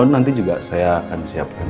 nanti juga saya akan siapkan